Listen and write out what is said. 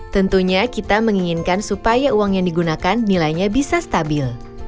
tentunya kita menginginkan supaya uang yang digunakan nilainya bisa stabil